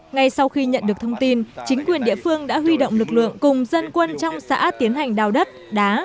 ngay sau khi nhận được thông tin chính quyền địa phương đã huy động lực lượng cùng dân quân trong xã tiến hành đào đất đá